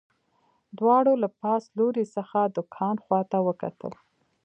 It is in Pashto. دواړو له پاس لوري څخه د کان خواته وکتل